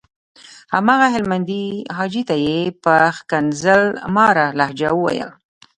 هماغه هلمندي حاجي ته یې په ښکنځل ماره لهجه وويل.